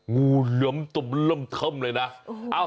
งูเหลือมตมเลยนะ